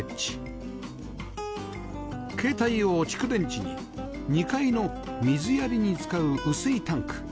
携帯用蓄電池に２階の水やりに使う雨水タンク